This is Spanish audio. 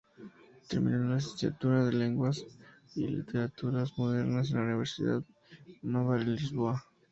Terminó una licenciatura de Lenguas y Literaturas Modernas en la Universidade Nova de Lisboa.